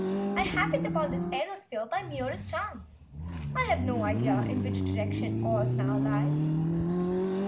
"I happened upon this airosphere by the merest chance, and have no idea in which direction Oz now lies."